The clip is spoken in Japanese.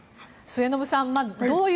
末延さん